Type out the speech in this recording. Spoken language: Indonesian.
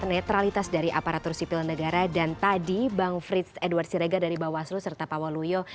netralitas dari aparatur sipil negara dan tadi bang frits edward sirega dari bawaslu serta pak waluyo